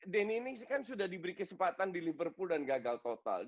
ini kan sudah diberi kesempatan di liverpool dan gagal total